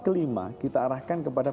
kelima kita arahkan kepada